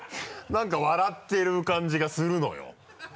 何か笑ってる感じがするのよ。